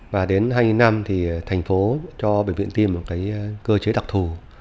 và đến năm hai nghìn năm thành phố cho bệnh viện tim một cơ chế đặc thù